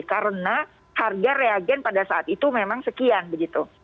karena harga reagen pada saat itu memang sekian begitu